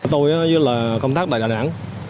tôi là công tác tại đà nẵng